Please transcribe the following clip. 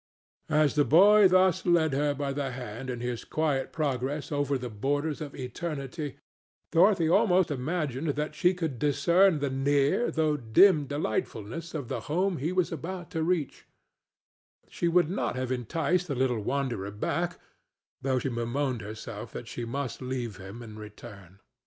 As the boy thus led her by the hand in his quiet progress over the borders of eternity, Dorothy almost imagined that she could discern the near though dim delightfulness of the home he was about to reach; she would not have enticed the little wanderer back, though she bemoaned herself that she must leave him and return.